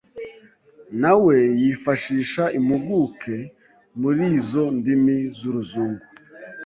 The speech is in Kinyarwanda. nawe yifashisha impuguke muri izo ndimi z’uruzungu